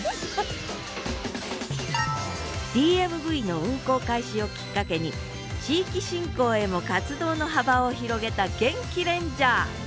ＤＭＶの運行開始をきっかけに地域振興へも活動の幅を広げたゲンキレンジャー。